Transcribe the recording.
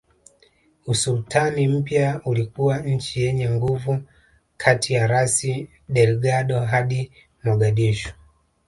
Usultani mpya ulikuwa nchi yenye nguvu kati ya Rasi Delgado hadi Mogadishu